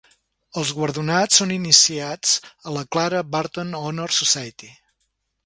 Els guardonats són iniciats a la Clara Barton Honor Society.